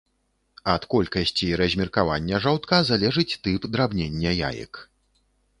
Ад колькасці і размеркавання жаўтка залежыць тып драбнення яек.